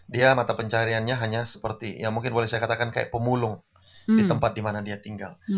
dia mata pencariannya hanya seperti ya mungkin boleh saya katakan kayak pemulung di tempat dimana dia tinggal